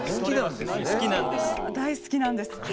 好きなんですね。